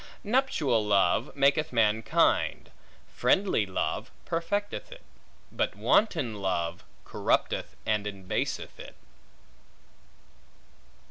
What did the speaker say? Nuptial love maketh mankind; friendly love perfecteth it; but wanton love corrupteth, and embaseth it.